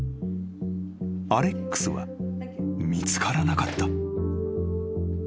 ［アレックスは見つからなかった］